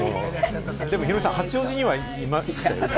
でもヒロミさん、八王子にはいましたよね。